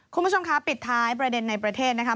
คุณผู้ชมคะปิดท้ายประเด็นในประเทศนะคะ